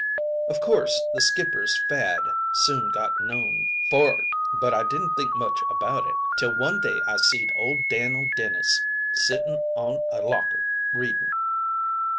"Of course, the skipper's fad soon got known for'ard. But I didn't think much about it, till one day I seed old Dan'l Dennis sitting on a locker reading.